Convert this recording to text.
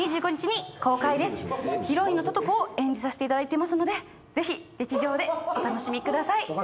ヒロインのトト子を演じさせていただいていますのでぜひ劇場でお楽しみください。